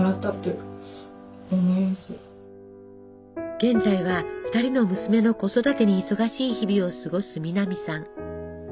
現在は２人の娘の子育てに忙しい日々を過ごす南さん。